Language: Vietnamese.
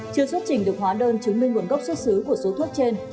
chưa xuất trình được hóa đơn chứng minh nguồn gốc xuất xứ của số thuốc trên